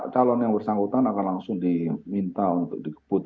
calon yang bersangkutan akan langsung diminta untuk dikebut